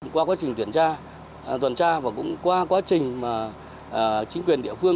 qua quá trình tuyển tra tuyển tra và cũng qua quá trình chính quyền địa phương